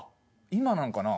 今なんかな。